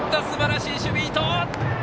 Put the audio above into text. すばらしい守備、伊藤。